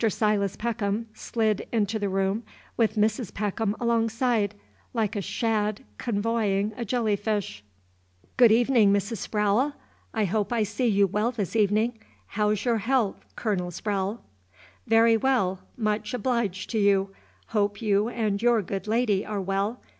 Silas Peckham slid into the room with Mrs. Peckham alongside, like a shad convoying a jelly fish. "Good evenin', Mrs. Sprowle! I hope I see you well this evenin'. How 's your haalth, Colonel Sprowle?" "Very well, much obleeged to you. Hope you and your good lady are well.